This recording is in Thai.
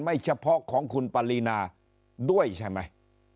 เฉพาะของคุณปรินาด้วยใช่ไหม